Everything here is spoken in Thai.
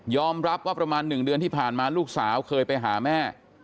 รับว่าประมาณ๑เดือนที่ผ่านมาลูกสาวเคยไปหาแม่